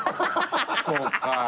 そうか。